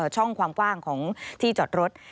ช่องความกว้างของที่จอดรถ